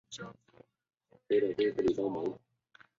目前整个城市的经济支柱依然是采矿业和钢铁业。